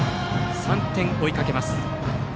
３点を追いかけます。